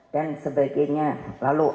dan sebagainya lalu